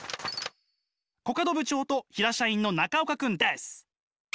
コカド部長と平社員の中岡くんです！